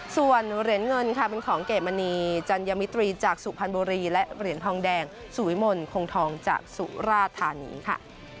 ส่วนเหรียญเงินค่ะเป็นของเกดมณีจัญมิตรีจากสุพรรณบุรีและเหรียญทองแดงสุวิมลคงทองจากสุราธานีค่ะ